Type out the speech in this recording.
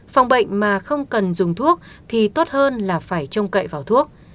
phòng bệnh mà không cần dùng thuốc thì tốt hơn là phải trông cậy vào thuốc